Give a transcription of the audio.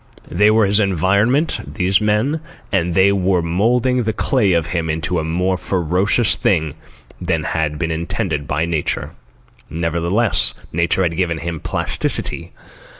They were his environment, these men, and they were moulding the clay of him into a more ferocious thing than had been intended by Nature. Nevertheless, Nature had given him plasticity.